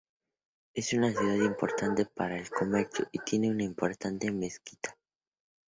Es una ciudad importante para el comercio, y tiene una importante mezquita.